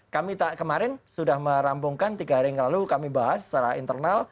kami kemarin sudah merambungkan tiga hari yang lalu kami bahas secara internal